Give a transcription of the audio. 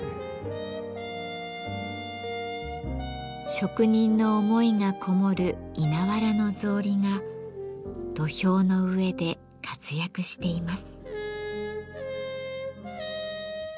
職人の思いがこもる稲わらの草履が土俵の上で活躍しています。